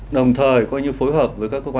đồng thời coi như phối hợp với các cơ quan